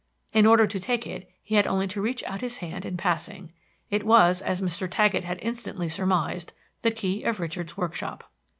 In order to take it he had only to reach out his hand in passing. It was, as Mr. Taggett had instantly surmised, the key of Richard's workshop.